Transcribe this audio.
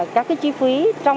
các chi phí